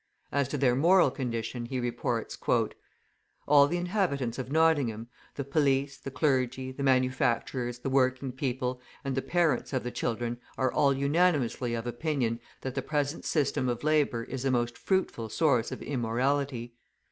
As to their moral condition, he reports: {192b} "All the inhabitants of Nottingham, the police, the clergy, the manufacturers, the working people, and the parents of the children are all unanimously of opinion that the present system of labour is a most fruitful source of immorality.